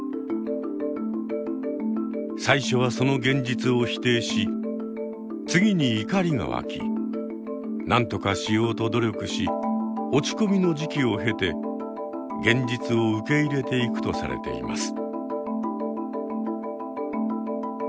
最初はその現実を否定し次に怒りが湧きなんとかしようと努力し落ち込みの時期を経て現実を受け入れていくとされています。